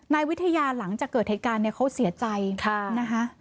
นายวิทยาหลังจากเกิดเหตุการณ์เนี่ยเขาเสียใจนะคะ